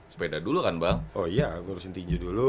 sepeda dulu kan bang oh iya ngurusin tinju dulu